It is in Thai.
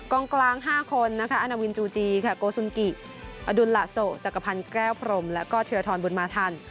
กลางกลาง๕คนนะคะอาณาวินจูจีค่ะโกสุนกิอดุลละโสจักรพันธ์แก้วพรมแล้วก็เทียทรบุญมาทัน